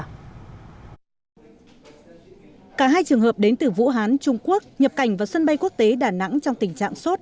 cả hai trường hợp đến từ vũ hán trung quốc nhập cảnh vào sân bay quốc tế đà nẵng trong tình trạng sốt